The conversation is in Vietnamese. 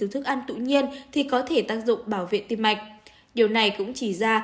thức ăn tự nhiên thì có thể tác dụng bảo vệ tim mạch điều này cũng chỉ ra